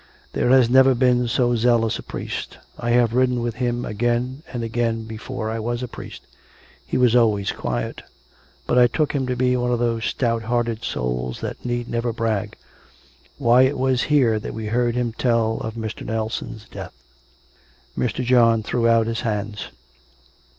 " There has never been so zealous a priest. I have ridden with him again and again before I was a priest. He was always quiet; but I took him to be one of those stout hearted souls that need never brag. Why, it was here that we heard him tell of Mr. Nelson's death !" Mr. John threw out his hands.